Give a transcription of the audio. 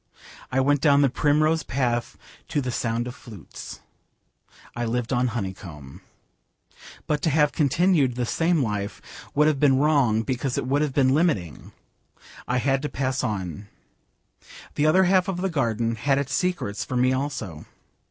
I went down the primrose path to the sound of flutes. I lived on honeycomb. But to have continued the same life would have been wrong because it would have been limiting. I had to pass on. The other half of the garden had its secrets for me also.